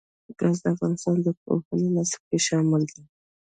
ګاز د افغانستان د پوهنې نصاب کې شامل دي.